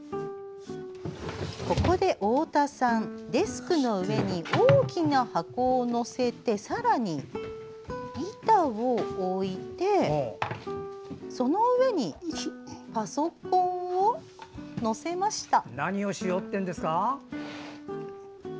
ここで太田さんデスクの上に大きな箱を乗せてさらに板を置いてその上に、パソコンを乗せました。